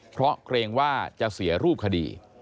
เพราะเกรงว่าจะเสียรูปคดี